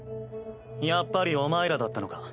やっぱりお前らだったのか。